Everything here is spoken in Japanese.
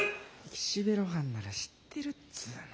岸辺露伴なら知ってるっつの。